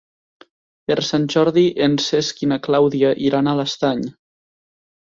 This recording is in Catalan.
Per Sant Jordi en Cesc i na Clàudia iran a l'Estany.